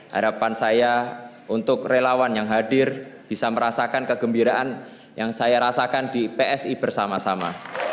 harapan saya untuk relawan yang hadir bisa merasakan kegembiraan yang saya rasakan di psi bersama sama